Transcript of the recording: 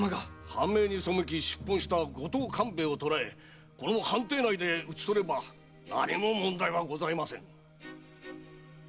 藩命に背き出奔した五島勘兵衛を捕らえこの藩邸内で討ち取れば何も問題はございません。